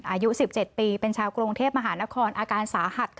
อายุ๑๗ปีเป็นชาวกรุงเทพมหานครอาการสาหัส